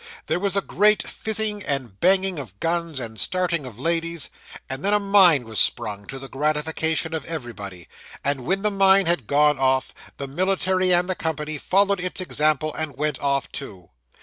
There was a great fizzing and banging of guns, and starting of ladies and then a mine was sprung, to the gratification of everybody and when the mine had gone off, the military and the company followed its example, and went off too.